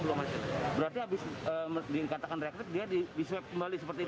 berarti habis dikatakan reaktif dia diswab kembali seperti itu